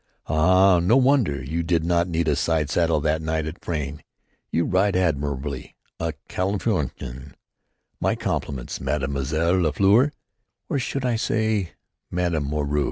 Ah, no wonder you did not need a side saddle that night at Frayne. You ride admirably à califourchon. My compliments, Mademoiselle La Fleur; or should I say Madame Moreau."